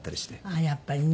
ああやっぱりね。